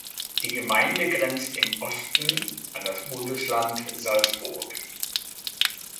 Die Gemeinde grenzt im Osten an das Bundesland Salzburg.